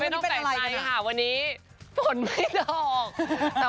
ไม่ต้องใต้ใจวันนี้ฝนไม่ดอก